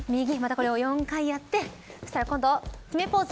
これを４回やってそしたら今度、決めポーズ。